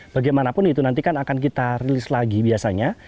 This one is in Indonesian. bagaimanapun itu nanti kan akan kita release lagi biasanya